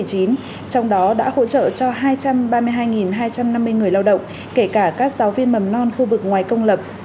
trong đó đã hỗ trợ cho hai trăm ba mươi hai hai trăm năm mươi người lao động kể cả các giáo viên mầm non khu vực ngoài công lập